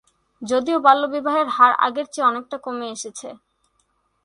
যদিও বাল্যবিবাহের হার আগের চেয়ে অনেকটা কমে এসেছে।